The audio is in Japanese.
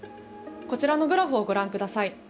こちらのグラフをご覧ください。